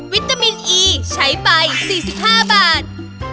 วิตามินอีใช้ไป๔๕บาท